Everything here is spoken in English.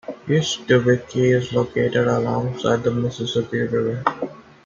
East Dubuque is located alongside the Mississippi River.